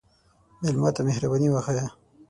مېلمه ته مهرباني وښیه.